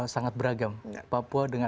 sangat beragam papua